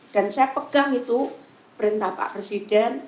dan saya pegang itu perintah pak presiden